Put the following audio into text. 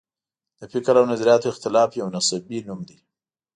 د فکر او نظریاتو اختلاف یو نصبي نوم دی.